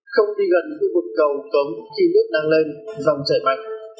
không đi gần vùng cầu cống khi nước đang lên dòng chảy mạch